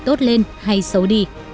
tốt lên hay xấu đi